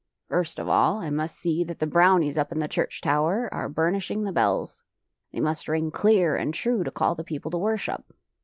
" First of all, I must see that the broAvnies up in the church tower are burnishing the bells. They must ring clear and true to call the people to worship.